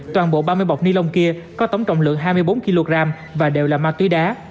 toàn bộ ba mươi bọc ni lông kia có tổng trọng lượng hai mươi bốn kg và đều là ma túy đá